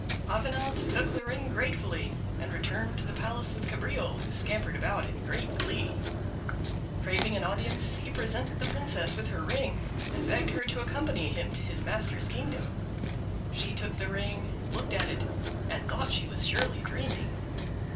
Avenant took the ring gratefully and returned to the palace with Cabriole, who scampered about in great glee. Craving an audience, he presented the Princess with her ring, and begged her to accompany him to his master's kingdom. She took the ring, looked at it, and thought she was surely dreaming.